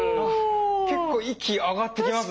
結構息上がってきますね。